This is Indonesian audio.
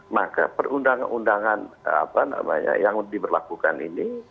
maka perundang undangan yang diberlakukan ini